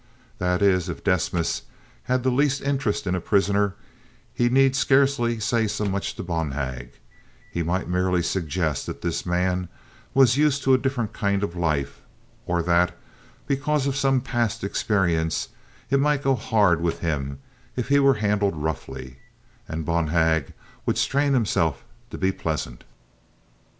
That is, if Desmas had the least interest in a prisoner he need scarcely say so much to Bonhag; he might merely suggest that this man was used to a different kind of life, or that, because of some past experience, it might go hard with him if he were handled roughly; and Bonhag would strain himself to be pleasant.